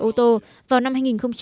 ô tô vào năm hai nghìn ba mươi